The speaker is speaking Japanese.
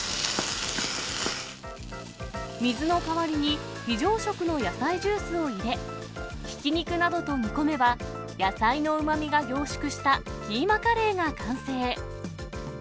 水の代わりに非常食の野菜ジュースを入れ、ひき肉などと煮込めば、野菜のうまみが凝縮したキーマカレーが完成。